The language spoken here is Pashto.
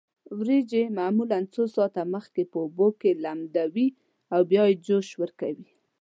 وریجې معمولا څو ساعته مخکې په اوبو کې لمدوي او بیا یې جوش ورکوي.